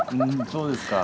そうですか。